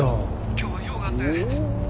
今日は用があって。